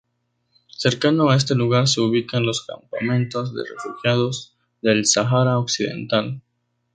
Cercano a este lugar se ubican los campamentos de refugiados del Sahara Occidental.